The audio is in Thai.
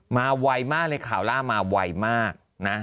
ไวมากเลยข่าวล่ามาไวมากนะ